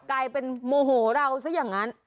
กลายเป็นโมโหเราซะอย่างนั้น